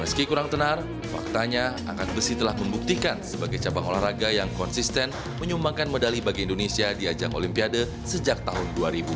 meski kurang tenar faktanya angkat besi telah membuktikan sebagai cabang olahraga yang konsisten menyumbangkan medali bagi indonesia di ajang olimpiade sejak tahun dua ribu